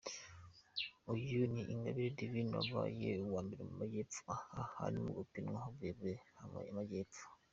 Uyu ni Ingabire Divine wabaye uwambere mu majyepfo aha harimo gupinwa uburebure"Amajyepfo" .